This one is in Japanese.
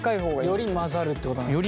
より混ざるってことなんですね。